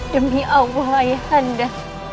demi allah ayah anda